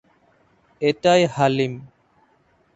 এটাই হালিম।